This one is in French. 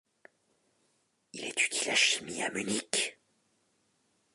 Il étudie la chimie à Munich.